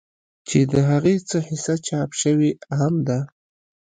چې د هغې څۀ حصه چاپ شوې هم ده